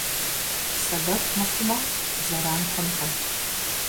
Сэбэп мыхъумэ, зэран хъункъым.